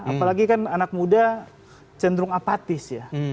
apalagi kan anak muda cenderung apatis ya